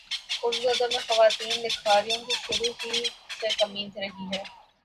اردو ادب میں خواتین لکھاریوں کی شروع ہی سے کمی رہی ہے